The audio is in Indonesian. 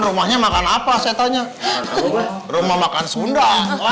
rumahnya makan apa saya tanya rumah makan sunda